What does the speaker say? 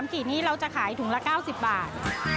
กี่นี้เราจะขายถุงละ๙๐บาท